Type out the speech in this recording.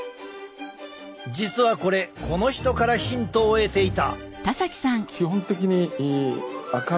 実はこれこの人からヒントを得ていた。